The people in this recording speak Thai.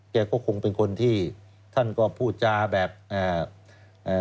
แกก็คงเป็นคนที่ท่านก็พูดจาแบบอ่าเอ่อ